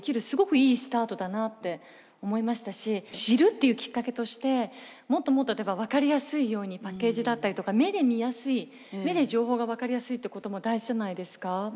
すごくいいスタートだなって思いましたし知るっていうきっかけとしてもっともっと例えば分かりやすいようにパッケージだったりとか目で見やすい目で情報が分かりやすいってことも大事じゃないですか。